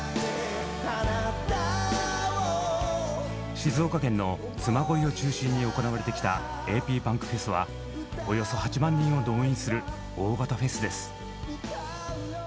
静岡県のつま恋を中心に行われてきたａｐｂａｎｋｆｅｓはおよそ８万人を動員する大型フェスです。